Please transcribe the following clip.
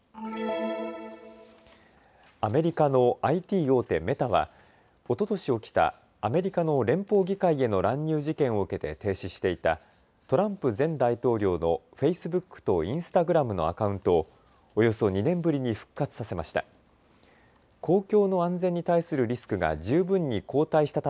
アメリカのＩＴ大手、メタはおととし起きたアメリカの連邦議会への乱入事件を受けて停止していたトランプ前大統領のフェイスブックとインスタグラムのアカウントをおよそ２年ぶりに復活させました。